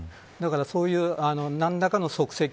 そういう何らかの足跡